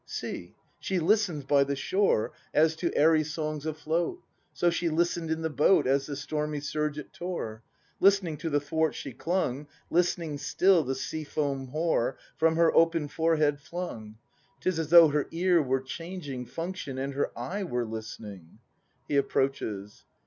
] See, she listens by the shore, As to airy songs afloat. So she listen'd in the boat As the stormy surge it tore, — Listening, to the thwart she clung, — Listening still, the sea foam hoar From her open forehead flung. 'Tis as though her ear were changing Function, and her eye were listening. [He approaches.